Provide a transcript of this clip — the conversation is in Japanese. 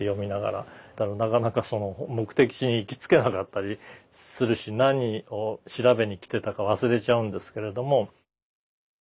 なかなかその目的地に行きつけなかったりするし何を調べにきてたか忘れちゃうんですけれども。